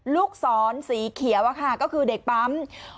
ลูกศรสีเขียวก็คือเด็กปั๊ม